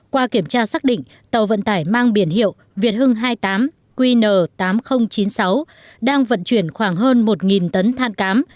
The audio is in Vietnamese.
qua kiểm tra xác định tàu vận tải mang biển hiệu việt hưng hai mươi tám qn tám nghìn chín mươi sáu đang vận chuyển khoảng hơn một tấn than cám